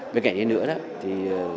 với cả những cái